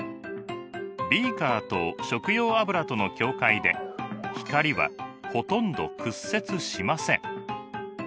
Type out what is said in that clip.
ビーカーと食用油との境界で光はほとんど屈折しません。